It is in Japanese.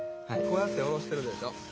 こうやっておろしてるでしょ。